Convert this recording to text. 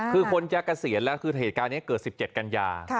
คือคนจะเกษียณแล้วคือเหตุการณ์นี้เกิด๑๗กันยา